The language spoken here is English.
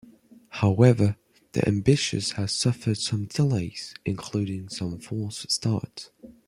However, the ambition has suffered some delays, including some false starts.